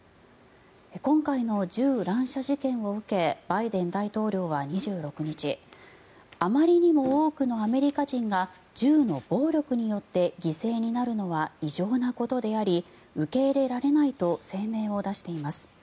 今回の銃乱射事件を受けバイデン大統領は２６日あまりにも多くのアメリカ人が銃の暴力によって犠牲になるのは異常なことであり受け入れられないと声明を出しています。